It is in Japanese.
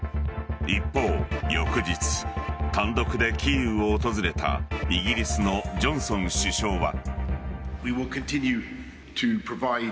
一方、翌日単独でキーウを訪れたイギリスのジョンソン首相は。